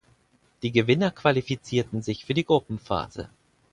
Die Gewinner qualifizierten sich für die Gruppenphase.